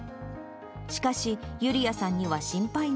しかし、ユリヤさんには心配が。